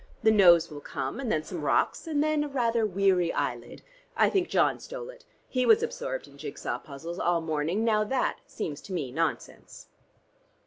The nose will come, and then some rocks, and then a rather weary eyelid. I think John stole it: he was absorbed in jig saw puzzles all morning. Now that seems to me nonsense."